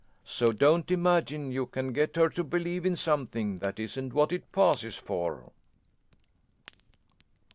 So don't imagine you can get her to believe in something that isn't what it passes for."